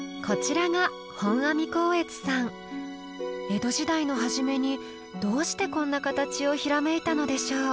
江戸時代の初めにどうしてこんな形をひらめいたのでしょう。